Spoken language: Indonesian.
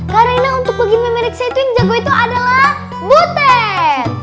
karena untuk bagian memeriksa itu yang jago itu adalah butet